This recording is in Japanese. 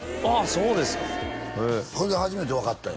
そうですかこれで初めて分かったんよ